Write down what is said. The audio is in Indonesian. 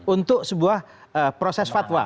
untuk sebuah proses fatwa